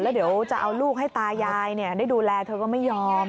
แล้วเดี๋ยวจะเอาลูกให้ตายายได้ดูแลเธอก็ไม่ยอม